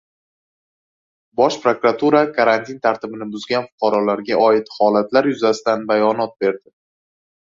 Bosh prokuratura karantin tartibini buzgan fuqarolarga oid holatlar yuzasidan bayonot berdi